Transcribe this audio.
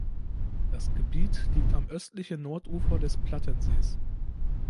Das Gebiet liegt am östlichen Nordufer des Plattensees.